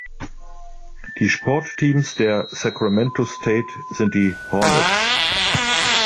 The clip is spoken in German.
Die Sportteams der Sacramento State sind die "Hornets".